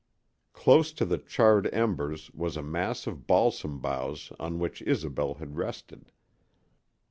Close to the charred embers was a mass of balsam boughs on which Isobel had rested.